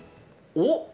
おっ。